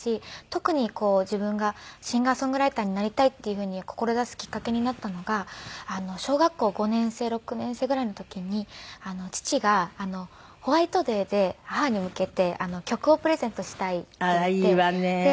特に自分がシンガー・ソングライターになりたいっていうふうに志すきっかけになったのが小学校５年生６年生ぐらいの時に父がホワイトデーで母に向けて曲をプレゼントしたいって言って。